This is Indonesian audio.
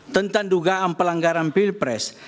tentang dugaan pelanggaran pilpres